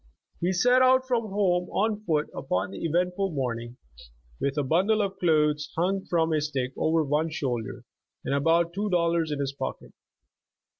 He set out from home on foot upon the eventful morning, with a bundle of clothes hung from a stick over one shoulder, and about two dollars in his pocket.